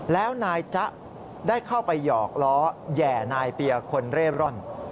แล้วนายจ๊ะได้เข้าไปหยอกล้อแห่นายเปียร์คนเร่ร่อน